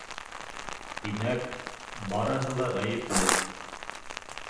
Тимәк, барыһы ла ғәйепле.